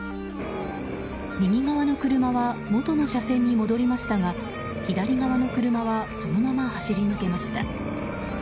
右側の車は元の車線に戻りましたが左側の車はそのまま走り抜けました。